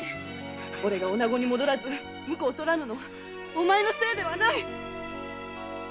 俺が女に戻らず婿をとらぬのはお前のせいではない。